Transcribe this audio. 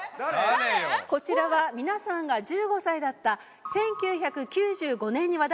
こちらは皆さんが１５歳だった１９９５年に話題となりました